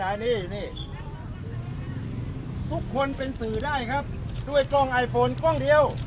นี่นี่ทุกคนเป็นสื่อได้ครับด้วยกล้องไอโฟนกล้องเดียว